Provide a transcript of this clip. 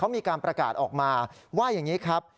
มีการประกาศออกมาว่าอย่างนี้ครับ